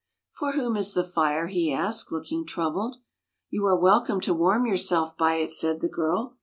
" For whom is the fire? " he asked, look ing troubled. "You are welcome to warm yourself by it," said the girl.